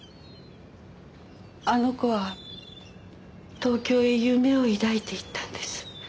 あの子は東京へ夢を抱いて行ったんです。